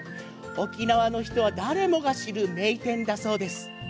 沖縄の人は誰もが知る名店だそうです。